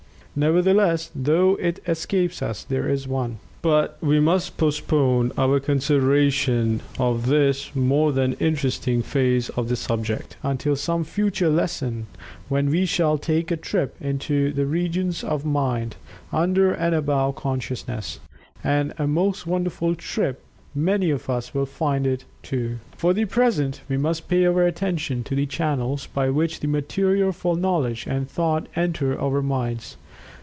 Nevertheless, though it escapes us, there is one." But we must postpone our consideration of this more than interesting phase of the subject, until some future lesson, when we shall take a trip into the regions of Mind, under and above Consciousness. And a most wonderful trip many of us will find it, too. For the present, we must pay our attention to the channels by which the material for knowledge and thought enter our minds.